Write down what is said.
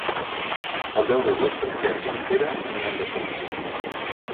El deu d'agost en Quer i en Pere aniran d'excursió.